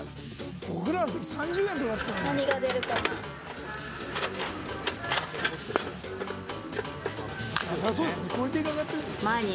僕らのとき３０円とかだったのに。